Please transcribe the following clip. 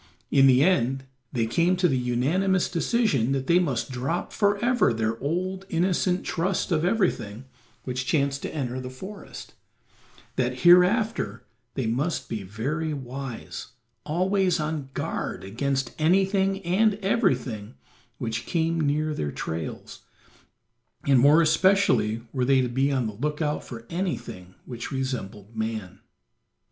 In the end they came to the unanimous decision that they must drop forever their old, innocent trust of everything which chanced to enter the forest; that hereafter they must be very wise, always on guard against anything and everything which came near their trails, and more especially were they to be on the lookout for anything which resembled man.